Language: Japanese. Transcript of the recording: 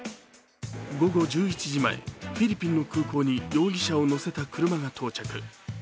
午後１１時前、フィリピンの空港に容疑者を乗せた車が到着。